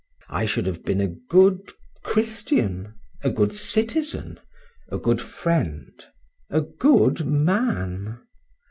I should have been a good Christian, a good citizen, a good friend, a good man.